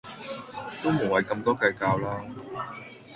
都無謂咁多計較啦